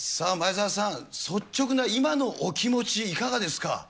前澤さん、率直な今のお気持ち、いかがですか。